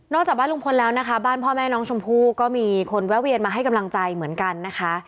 จากบ้านลุงพลแล้วนะคะบ้านพ่อแม่น้องชมพู่ก็มีคนแวะเวียนมาให้กำลังใจเหมือนกันนะคะ